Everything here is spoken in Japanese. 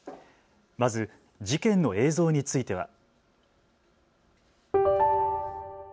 まず事件の映像については。